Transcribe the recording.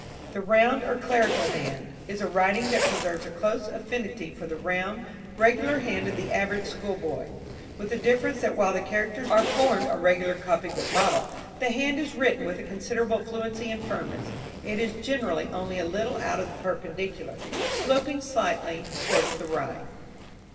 The Round or Clerical Hand is a writing that preserves a close affinity for the round regular hand of the average school boy, with the difference that while the characters are formed on regular copybook model, the hand is written with considerable fluency and firmness. It is generally only a little out of the perpendicular, sloping slightly towards the right.